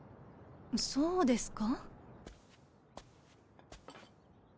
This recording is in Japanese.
そうですか？